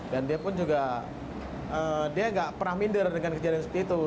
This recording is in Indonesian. dan dia pun juga dia nggak pernah minder dengan kejadian seperti itu